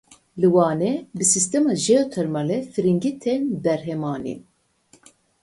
Li Wanê bi sîstema jeotermalê firingî tên berhemanîn.